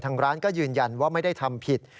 ทางร้านก็ยืนยันว่าไม่ได้ทำผิด